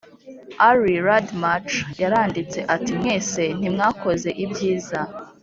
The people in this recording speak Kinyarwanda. Earl Radmacher yaranditse ati:”mwese ntimwakoze ibyiza”